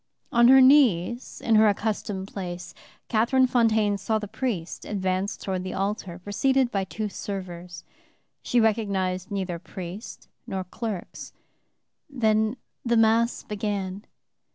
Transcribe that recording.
On her knees, in her accustomed place, Catherine Fontaine saw the priest advance toward the altar, preceded by two servers. She recognized neither priest nor clerks. The Mass began.